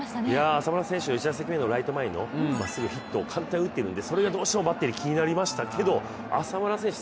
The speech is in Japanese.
浅村選手、１打席目のライト前へのヒット、ストレートを簡単に打っているので、それがバッテリー気になりましたけど浅村選手